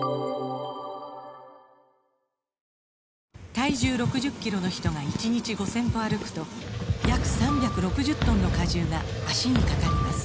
体重６０キロの人が１日５０００歩歩くと約３６０トンの荷重が脚にかかります